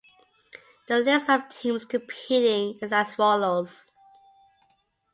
The list of teams competing is as follows.